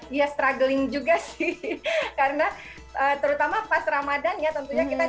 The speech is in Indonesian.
iya struggling juga sih karena terutama pas ramadannya tentunya kita capek